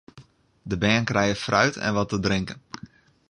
De bern krije fruit en wat te drinken.